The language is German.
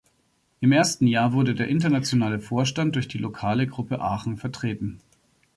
Im ersten Jahr wurde der Internationale Vorstand durch die lokale Gruppe Aachen vertreten.